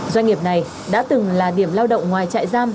doanh nghiệp này đã từng là điểm lao động ngoài trại giam